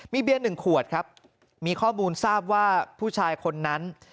มีเบียน๑ขวดครับมีข้อมูลทราบว่าผู้ชายคนนั้น